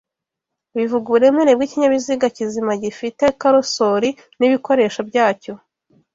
bivuga uburemere bw'ikinyabiziga kizima gifite karosori n'ibikoresho byacyo